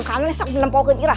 kan ini bener bener pokoknya irah